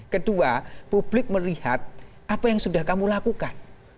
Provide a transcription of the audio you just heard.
kedua publik melihat apa yang sudah kamu lakukan